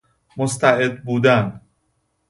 مستعد بودن